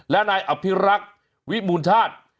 และนายอภิรักษ์วิมูลชาติ